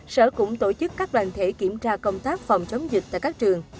sở cũng tổ chức các đoàn thể kiểm tra công tác phòng chống dịch tại các trường